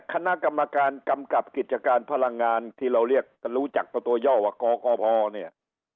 คณะกรรมการกำกับกิจการพลังงานที่เราเรียกรู้จักประตูย่อว่ากกพเนี่ย